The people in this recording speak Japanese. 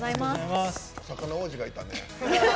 お魚王子がいたね。